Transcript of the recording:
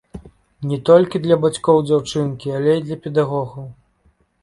Не толькі для бацькоў дзяўчынкі, але і для педагогаў.